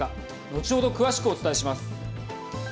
後ほど、詳しくお伝えします。